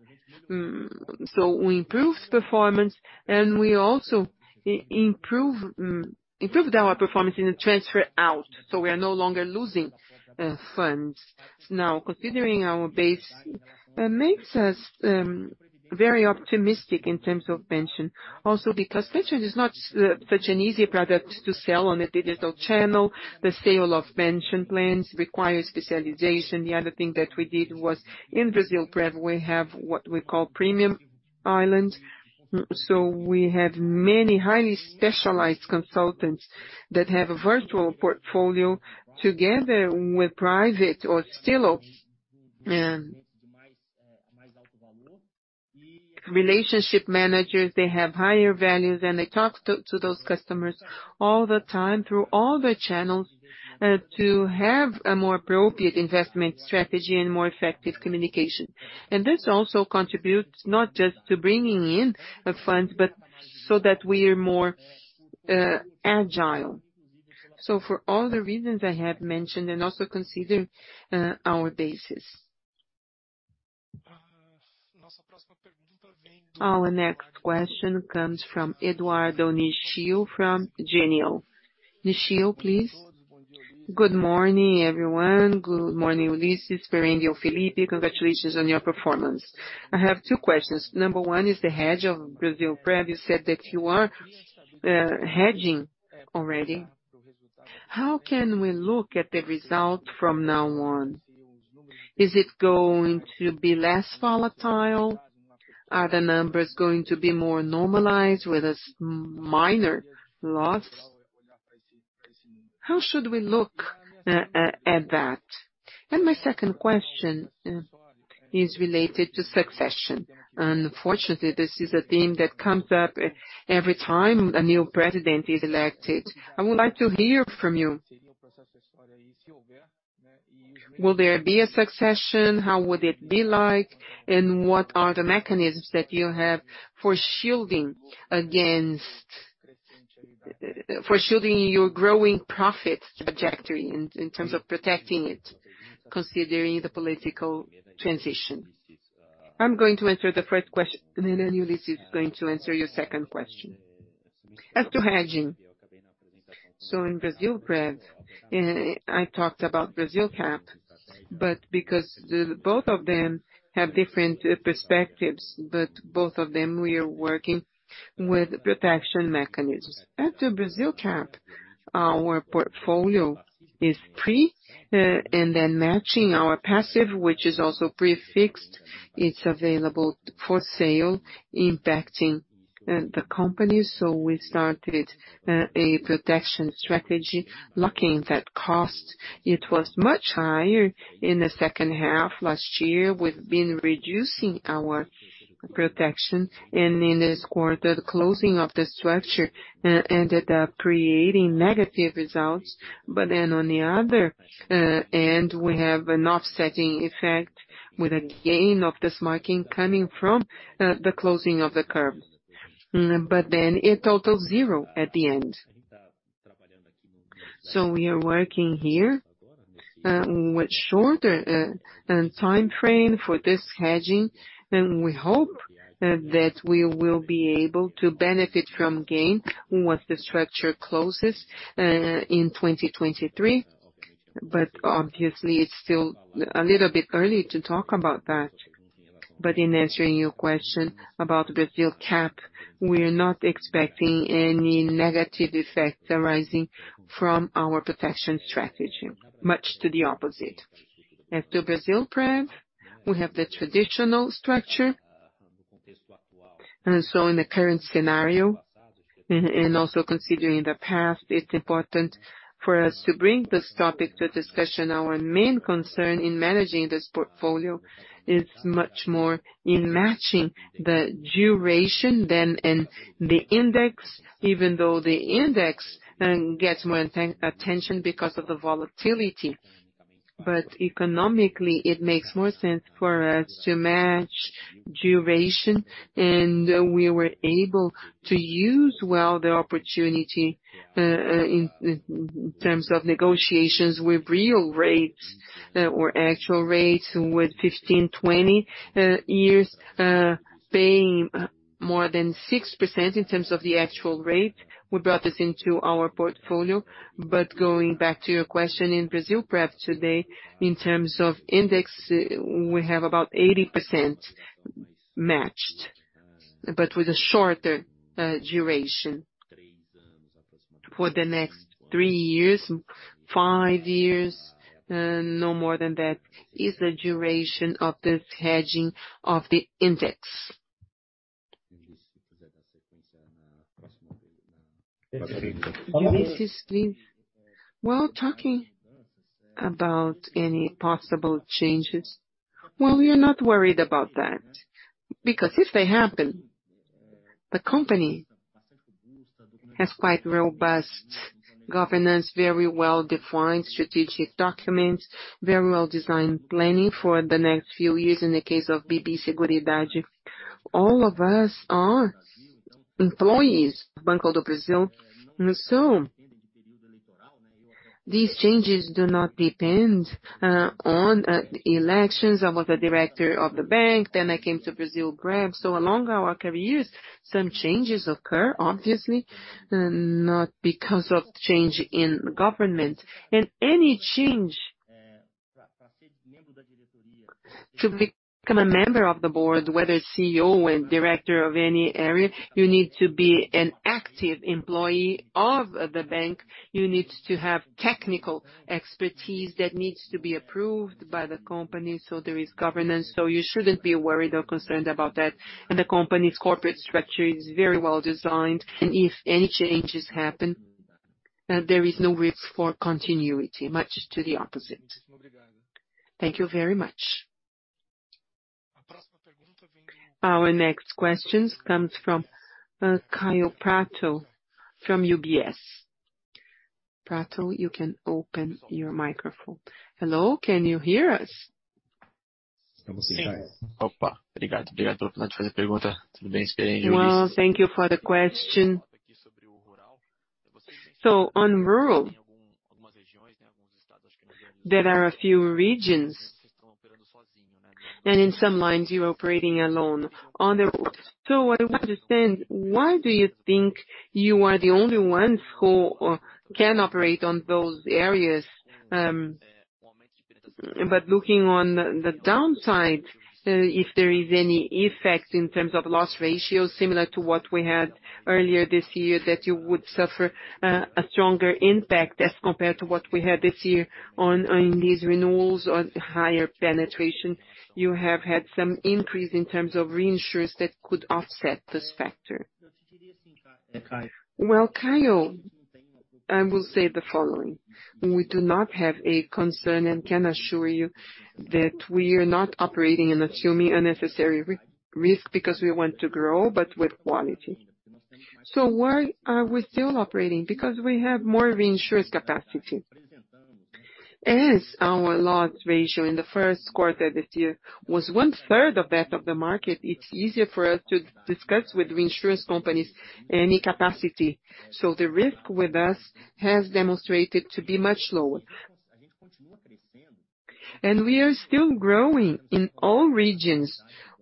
we improve performance, and we also improved our performance in the transfer out, so we are no longer losing funds. Now, considering our base makes us very optimistic in terms of pension. Also, because pension is not such an easy product to sell on a digital channel. The sale of pension plans requires specialization. The other thing that we did was in Brasilprev, we have what we call premium islands. We have many highly specialized consultants that have a virtual portfolio together with private relationship managers. They have higher values, and they talk to those customers all the time through all the channels to have a more appropriate investment strategy and more effective communication. This also contributes not just to bringing in funds, but so that we are more agile. For all the reasons I have mentioned and also consider our basis. Our next question comes from Eduardo Nishio from Genial. Nishio, please. Good morning, everyone. Good morning, Ullisses, Rafael Sperendio, Felipe. Congratulations on your performance. I have two questions. Number one is the hedge of Brasilprev. You said that you are hedging already. How can we look at the result from now on? Is it going to be less volatile? Are the numbers going to be more normalized with a minor loss? How should we look at that? My second question is related to succession. Unfortunately, this is a theme that comes up every time a new president is elected. I would like to hear from you. Will there be a succession? How would it be like? And what are the mechanisms that you have for shielding your growing profit trajectory in terms of protecting it, considering the political transition? I'm going to answer the first question, and then Ullisses is going to answer your second question. As to hedging in Brasilprev, I talked about Brasilcap, but because both of them have different perspectives, but both of them, we are working with protection mechanisms. As to Brasilcap, our portfolio is prefixed and then matching our passive, which is also prefixed. It's available for sale, impacting the company. We started a protection strategy, locking that cost. It was much higher in the second half. Last year, we've been reducing our protection, and in this quarter, the closing of the structure ended up creating negative results. On the other end, we have an offsetting effect with a gain on this mark-to-market coming from the closing of the curve. It totals to zero at the end. We are working here with shorter timeframe for this hedging, and we hope that we will be able to benefit from gain once the structure closes in 2023. Obviously it's still a little bit early to talk about that. In answering your question about Brasilcap, we're not expecting any negative effects arising from our protection strategy, quite the opposite. As to Brasilprev, we have the traditional structure. In the current scenario, and also considering the past, it's important for us to bring this topic to discussion. Our main concern in managing this portfolio is much more in matching the duration than in the index, even though the index gets more attention because of the volatility. Economically, it makes more sense for us to match duration, and we were able to use well the opportunity in terms of negotiations with real rates or actual rates with 15-20 years, paying more than 6% in terms of the actual rate. We brought this into our portfolio. Going back to your question, in Brasilprev today, in terms of index, we have about 80% matched, but with a shorter duration. For the next three years, five years, no more than that, is the duration of this hedging of the index. Well, talking about any possible changes, well, we are not worried about that because if they happen, the company has quite robust governance, very well-defined strategic documents, very well-designed planning for the next few years in the case of BB Seguridade. All of us are employees of Banco do Brasil. These changes do not depend on elections. I was a director of the bank, then I came to Brasilprev. Along our careers, some changes occur, obviously, not because of change in government. Any change to become a member of the board, whether CEO and director of any area, you need to be an active employee of the bank. You need to have technical expertise that needs to be approved by the company, so there is governance. You shouldn't be worried or concerned about that. The company's corporate structure is very well designed. If any changes happen, there is no risk for continuity, much to the opposite. Thank you very much. Our next question comes from Kaio Prato from UBS. Prato, you can open your microphone. Hello, can you hear us? Yes. Opa. Well, thank you for the question. On rural, there are a few regions, and in some mines, you're operating alone on the rural. I would understand why you think you are the only ones who can operate on those areas, but looking on the downside, if there is any effect in terms of loss ratio similar to what we had earlier this year, that you would suffer a stronger impact as compared to what we had this year on these renewals or higher penetration, you have had some increase in terms of reinsurance that could offset this factor. Well, Kaio, I will say the following: We do not have a concern and can assure you that we are not operating and assuming unnecessary risk because we want to grow, but with quality. Why are we still operating? Because we have more reinsurance capacity. As our loss ratio in the Q1 this year was 1/3 of that of the market, it's easier for us to discuss with reinsurance companies any capacity. The risk with us has demonstrated to be much lower. We are still growing in all regions.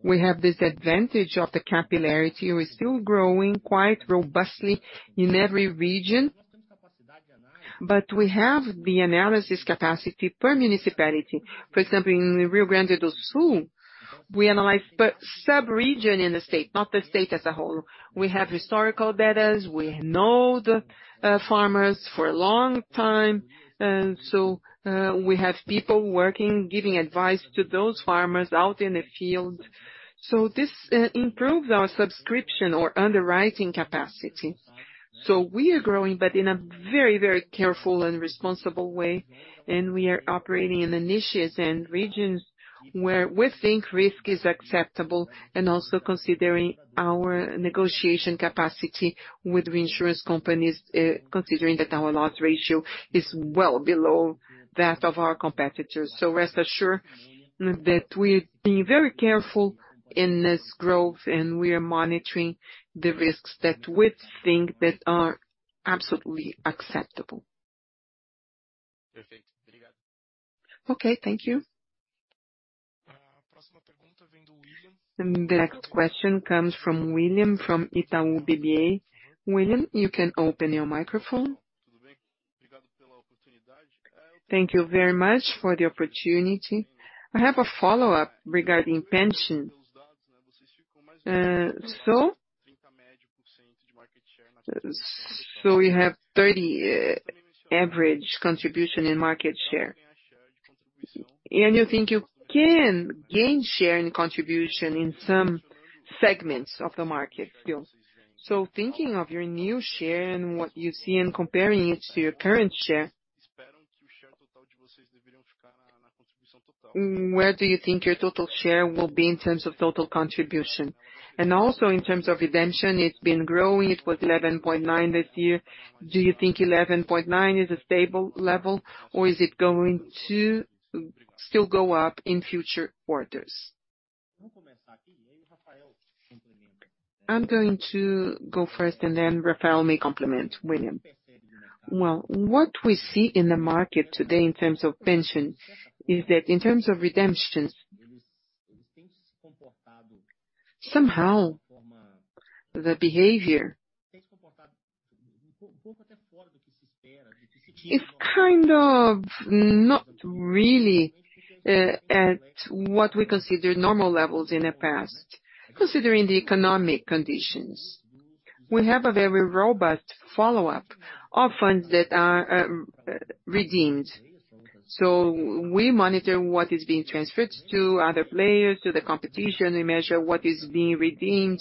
We have this advantage of the capillarity. We're still growing quite robustly in every region, but we have the analysis capacity per municipality. For example, in Rio Grande do Sul, we analyze per sub-region in the state, not the state as a whole. We have historical data. We know the farmers for a long time. We have people working, giving advice to those farmers out in the field. This improves our subscription or underwriting capacity. We are growing, but in a very, very careful and responsible way. We are operating in the niches and regions where we think risk is acceptable and also considering our negotiation capacity with reinsurance companies, considering that our loss ratio is well below that of our competitors. Rest assured that we're being very careful in this growth, and we are monitoring the risks that we think that are absolutely acceptable. Okay, thank you. The next question comes from William, from Itaú BBA. William, you can open your microphone. Thank you very much for the opportunity. I have a follow-up regarding pension. So we have 30% average contribution in market share. You think you can gain share and contribution in some segments of the market still? Thinking of your new share and what you see and comparing it to your current share, where do you think your total share will be in terms of total contribution? Also in terms of redemption, it's been growing. It was 11.9% this year. Do you think 11.9% is a stable level, or is it going to still go up in future quarters? I'm going to go first, and then Rafael may complement, William. Well, what we see in the market today in terms of pension is that in terms of redemptions, somehow the behavior is kind of not really at what we consider normal levels in the past, considering the economic conditions. We have a very robust follow-up of funds that are redeemed. We monitor what is being transferred to other players, to the competition. We measure what is being redeemed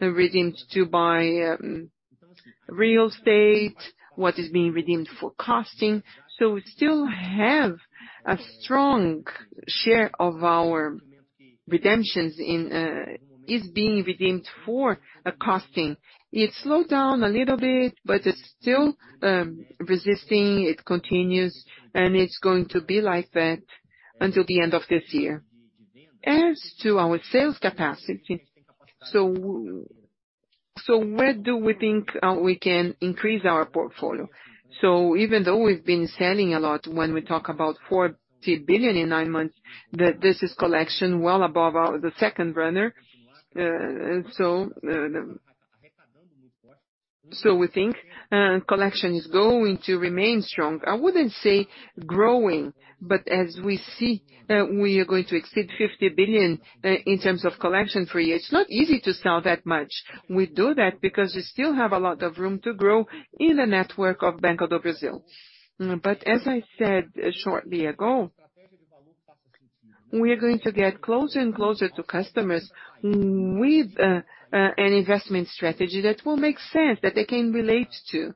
to buy real estate and what is being redeemed for cashing. We still have a strong share of our redemptions in what is being redeemed for cashing. It slowed down a little bit, but it's still persisting. It continues, and it's going to be like that until the end of this year. As to our sales capacity, where do we think we can increase our portfolio? Even though we've been selling a lot, when we talk about 40 billion in nine months, this is collection well above the second runner. We think collection is going to remain strong. I wouldn't say growing, but as we see, we are going to exceed 50 billion in terms of collection for the year. It's not easy to sell that much. We do that because we still have a lot of room to grow in the network of Banco do Brasil. As I said shortly ago, we are going to get closer and closer to customers with an investment strategy that will make sense, that they can relate to.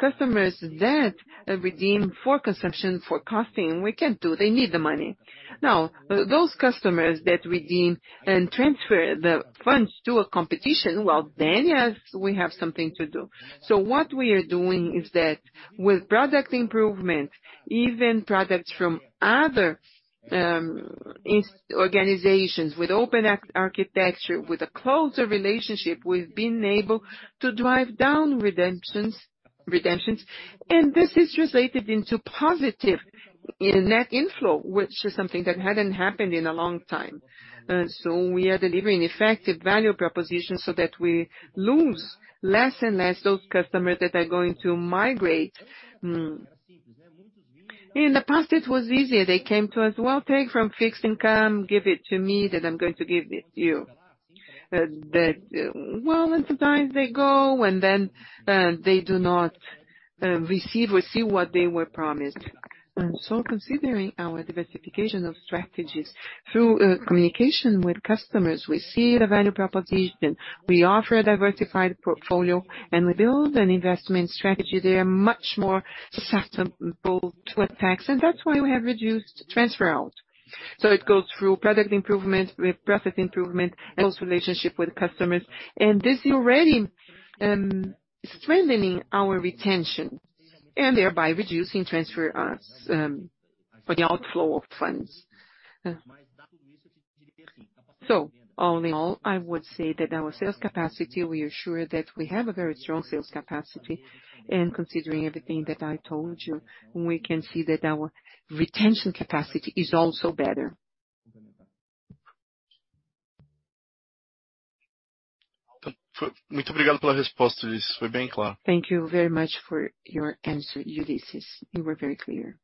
Customers that redeem for consumption, for costing, we can't do. They need the money. Now, those customers that redeem and transfer the funds to a competitor, well, then, yes, we have something to do. What we are doing is that with product improvement, even products from other organizations with open architecture, with a closer relationship, we've been able to drive down redemptions. This is translated into positive net inflow, which is something that hadn't happened in a long time. We are delivering effective value propositions so that we lose less and less those customers that are going to migrate. In the past, it was easier. They came to us, "Well, take from fixed income, give it to me, that I'm going to give it to you." That, well, and sometimes they go, and then they do not receive or see what they were promised. Considering our diversification of strategies through communication with customers, we see the value proposition. We offer a diversified portfolio, and we build an investment strategy that are much more suitable to a tax, and that's why we have reduced transfer out. It goes through product improvement with process improvement and those relationship with customers. This is already strengthening our retention and thereby reducing transfer for the outflow of funds. All in all, I would say that our sales capacity, we are sure that we have a very strong sales capacity. Considering everything that I told you, we can see that our retention capacity is also better. Thank you very much for your answer, Ullisses. You were very clear.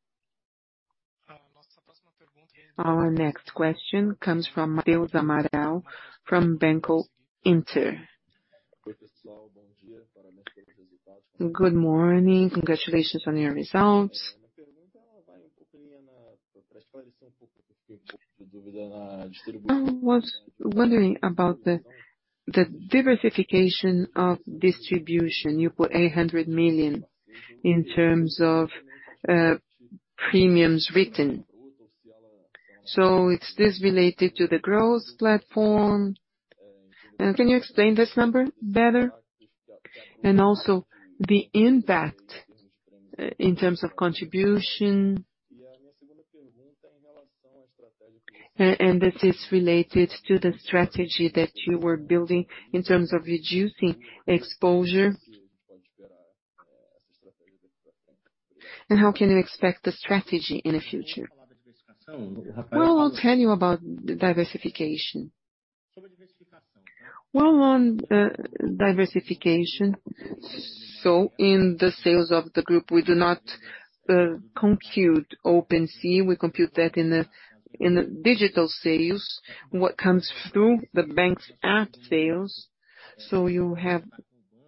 Our next question comes from Matheus Amaral from Banco Inter. Good morning. Congratulations on your results. I was wondering about the diversification of distribution. You put 800 million in terms of premiums written. Is this related to the growth platform? Can you explain this number better? And also the impact in terms of contribution. And this is related to the strategy that you were building in terms of reducing exposure. And how can you expect the strategy in the future? Well, I'll tell you about the diversification. Well, on diversification. In the sales of the group, we do not compute open C. We compute that in the digital sales, what comes through the bank's app sales.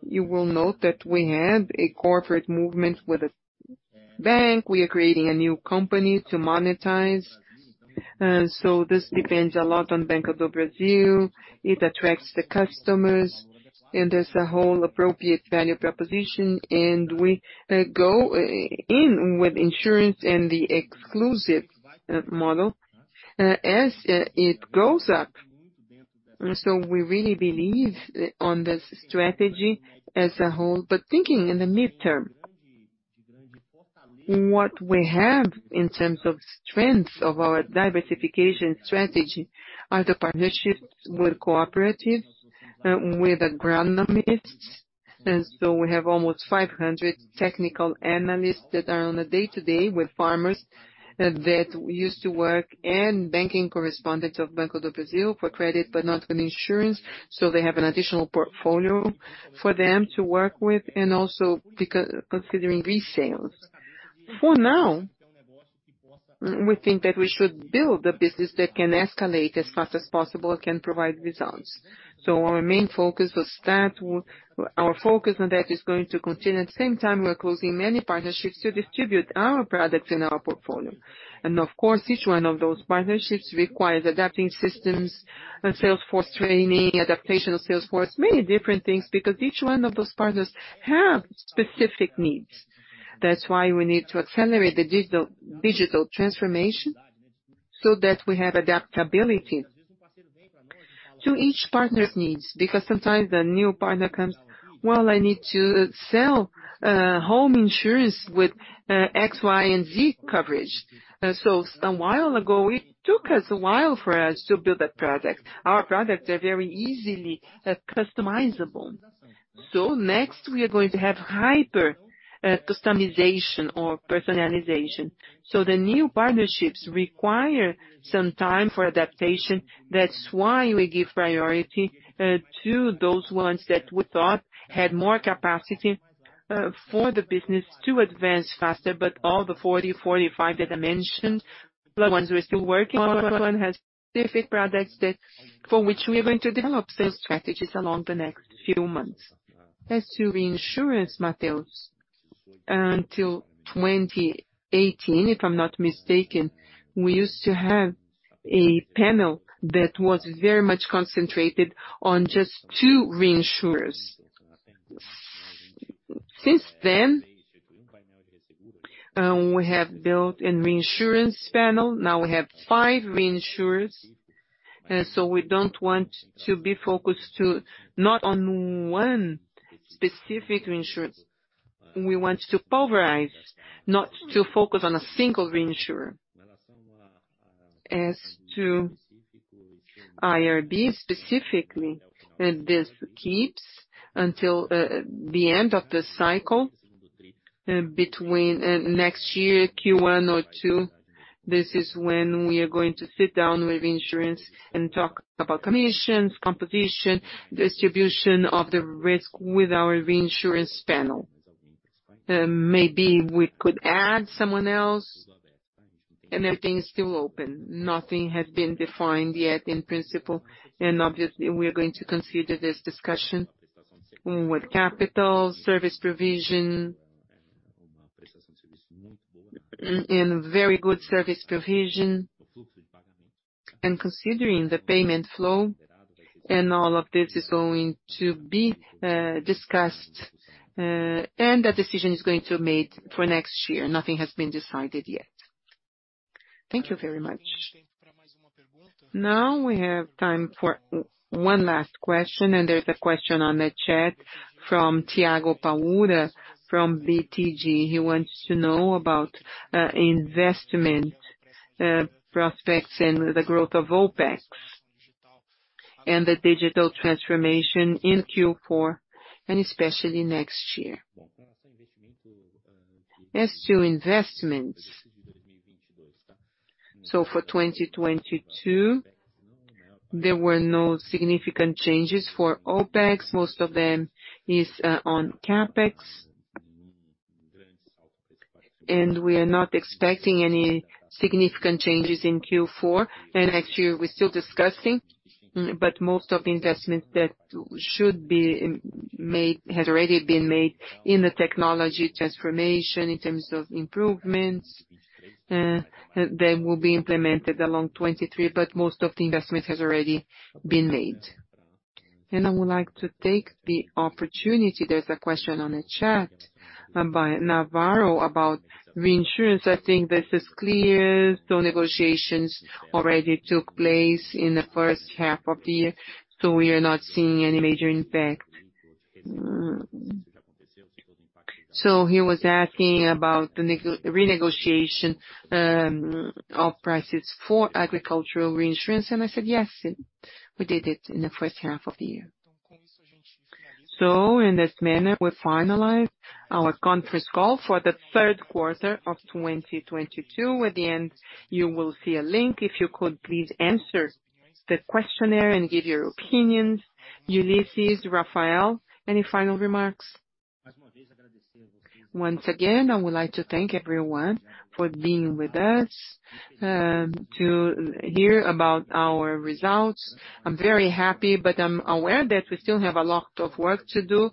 You will note that we had a corporate movement with a bank. We are creating a new company to monetize. This depends a lot on Banco do Brasil. It attracts the customers, and there's a whole appropriate value proposition, and we go in with insurance and the exclusive model as it grows up. We really believe on this strategy as a whole. Thinking in the midterm, what we have in terms of strengths of our diversification strategy are the partnerships with cooperatives, with agronomists. We have almost 500 technical analysts that are on a day-to-day with farmers, that used to work in banking correspondence of Banco do Brasil for credit, but not in insurance. They have an additional portfolio for them to work with and also considering resales. For now, we think that we should build a business that can scale as fast as possible and can provide results. Our main focus was that. Our focus on that is going to continue. At the same time, we are closing many partnerships to distribute our products in our portfolio. Of course, each one of those partnerships requires adapting systems, sales force training, adaptation of sales force, many different things, because each one of those partners have specific needs. That's why we need to accelerate the digital transformation so that we have adaptability to each partner's needs, because sometimes the new partner comes, "Well, I need to sell home insurance with X, Y, and Z coverage." Some while ago, it took us a while for us to build that product. Our products are very easily customizable. Next, we are going to have hyper customization or personalization. The new partnerships require some time for adaptation. That's why we give priority to those ones that we thought had more capacity for the business to advance faster. All the 45 that I mentioned, the ones we're still working on, have specific products that for which we are going to develop sales strategies along the next few months. As to reinsurance materials, until 2018, if I'm not mistaken, we used to have a panel that was very much concentrated on just two reinsurers. Since then, we have built a reinsurance panel. Now we have five reinsurers. We don't want to be focused too not on one specific reinsurer. We want to pulverize, not to focus on a single reinsurer. As to IRB specifically, this keeps until the end of the cycle, between next year, Q1 or Q2, this is when we are going to sit down with insurers and talk about commissions, competition, distribution of the risk with our reinsurance panel. Maybe we could add someone else. Everything is still open. Nothing has been defined yet in principle. Obviously, we are going to consider this discussion with capital, service provision. Very good service provision. Considering the payment flow and all of this is going to be discussed and the decision is going to made for next year. Nothing has been decided yet. Thank you very much. Now we have time for one last question, and there's a question on the chat from Thiago Paura from BTG. He wants to know about investment prospects and the growth of OPEX and the digital transformation in Q4, and especially next year. As to investments, so for 2022, there were no significant changes for OPEX. Most of them is on CapEx. We are not expecting any significant changes in Q4. Next year, we're still discussing, but most of the investments that should be made has already been made in the technology transformation in terms of improvements, that will be implemented along 2023, but most of the investment has already been made. I would like to take the opportunity. There's a question on the chat, by Navarro about reinsurance. I think this is clear. Negotiations already took place in the first half of the year, so we are not seeing any major impact. He was asking about the renegotiation, of prices for agricultural reinsurance, and I said, yes, we did it in the first half of the year. In this manner, we finalize our conference call for the Q3 of 2022. At the end, you will see a link. If you could please answer the questionnaire and give your opinions. Ullisses, Rafael, any final remarks? Once again, I would like to thank everyone for being with us to hear about our results. I'm very happy, but I'm aware that we still have a lot of work to do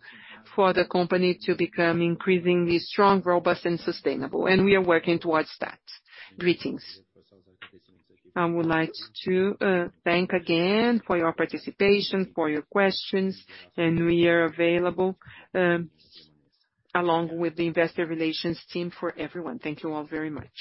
for the company to become increasingly strong, robust and sustainable. We are working towards that. Greetings. I would like to thank again for your participation, for your questions, and we are available along with the investor relations team for everyone. Thank you all very much.